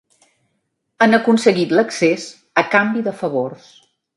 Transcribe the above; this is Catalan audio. Han aconseguit l'accés a canvi de favors.